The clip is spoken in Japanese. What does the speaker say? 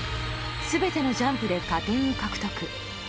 全てのジャンプで加点を獲得。